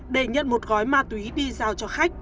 để nhận một gói ma túy đi giao cho khách